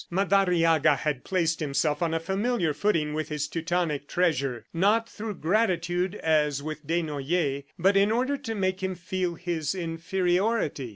Madariaga had placed himself on a familiar footing with his Teutonic treasure, not through gratitude as with Desnoyers, but in order to make him feel his inferiority.